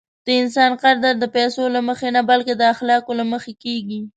د انسان قدر د پیسو له مخې نه، بلکې د اخلاقو له مخې کېږي.